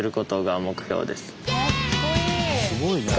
すごいね。